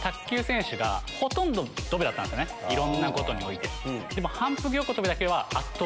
いろんなことにおいて。